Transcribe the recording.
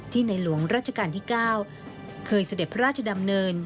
ในหลวงราชการที่๙เคยเสด็จพระราชดำเนิน